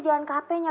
jangan ke hp nya